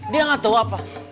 dia nggak tahu apa